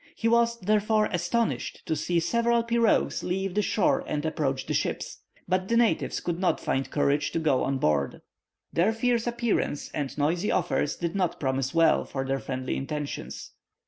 He was, therefore, astonished to see several pirogues leave the shore and approach the ships. But the natives could not find courage to go on board. Their fierce appearance and noisy offers did not promise well for their friendly intentions.